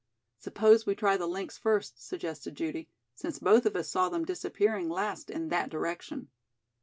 "Suppose we try the links first," suggested Judy, "since both of us saw them disappearing last in that direction."